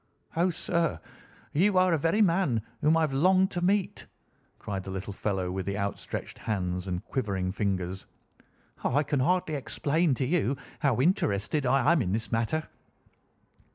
"Oh, sir, you are the very man whom I have longed to meet," cried the little fellow with outstretched hands and quivering fingers. "I can hardly explain to you how interested I am in this matter."